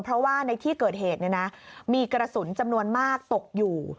เพราะว่าในที่เกิดเหตุมีกระสุนจำนวนมากตกอยู่